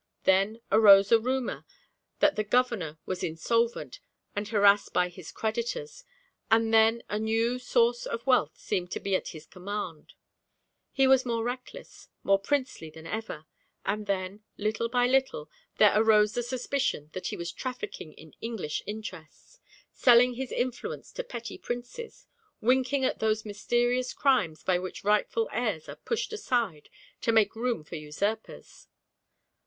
Then arose a rumour that the governor was insolvent and harassed by his creditors, and then a new source of wealth seemed to be at his command; he was more reckless, more princely than ever; and then, little by little, there arose the suspicion that he was trafficking in English interests, selling his influence to petty princes, winking at those mysterious crimes by which rightful heirs are pushed aside to make room for usurpers.